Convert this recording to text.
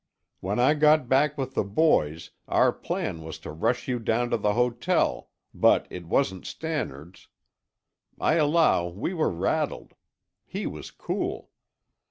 When I got back with the boys, our plan was to rush you down to the hotel, but it wasn't Stannard's. I allow we were rattled; he was cool.